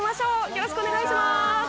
よろしくお願いします。